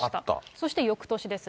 そしてよくとしです。